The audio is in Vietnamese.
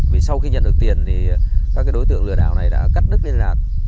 vì sau khi nhận được tiền các đối tượng lừa đảo này đã cắt đứt liên lạc